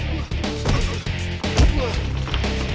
kamu pasti bisa kau